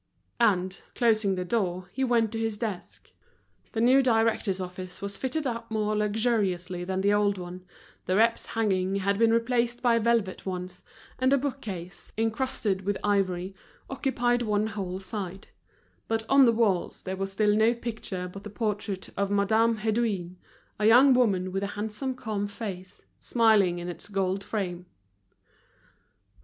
And, closing the door, he went to his desk. The new director's office was fitted up more luxuriously than the old one, the reps hangings had been replaced by velvet ones, and a book case, incrusted with ivory, occupied one whole side; but on the walls there was still no picture but the portrait of Madame Hédouin, a young woman with a handsome calm face, smiling in its gold frame.